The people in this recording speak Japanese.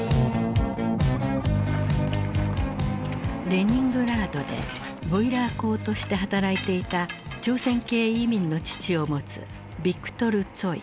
レニングラードでボイラー工として働いていた朝鮮系移民の父を持つヴィクトル・ツォイ。